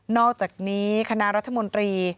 อกจากนี้คณะรัฐมนตรี